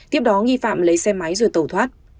tiếp đó nghi phạm lấy xe máy rồi tẩu thoát